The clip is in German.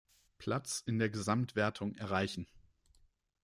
Platz in der Gesamtwertung erreichen.